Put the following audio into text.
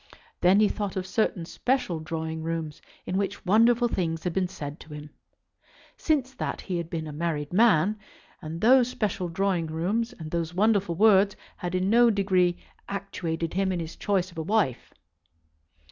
Then he thought of certain special drawing rooms in which wonderful things had been said to him. Since that he had been a married man, and those special drawing rooms and those wonderful words had in no degree actuated him in his choice of a wife.